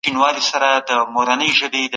د غاښونو برس پاک ساتل مهم دي.